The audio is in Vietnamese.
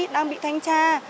đang bị thanh tra